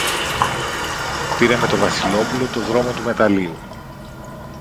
πήρε με το Βασιλόπουλο το δρόμο του μεταλλείου